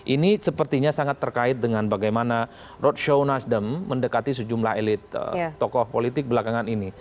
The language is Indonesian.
ini sepertinya sangat terkait dengan bagaimana roadshow nasdem mendekati sejumlah elit tokoh politik belakangan ini